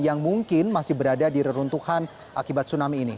yang mungkin masih berada di reruntuhan akibat tsunami ini